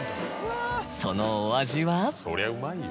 そのお味は？